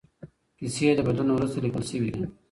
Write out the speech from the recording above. کیسې د بدلون وروسته لیکل شوې دي.